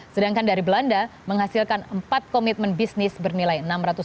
sedangkan dari belanda menghasilkan empat komitmen bisnis bernilai